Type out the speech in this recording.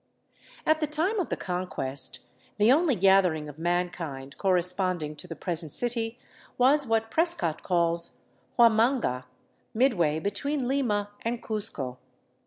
At the time of the Conquest the only gathering of mankind corre sponding to the present city was what Prescott calls " Huamanga, midway between Lima and Cuzco."